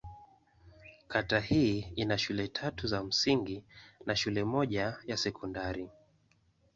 Kata hii ina shule tatu za msingi na shule moja ya sekondari.